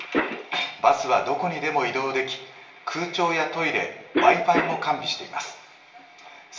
バスはどこにでも移動でき、空調やトイレ、Ｗｉ−Ｆｉも完備しています。